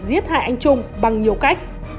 giết hại anh trung bằng nhiều cách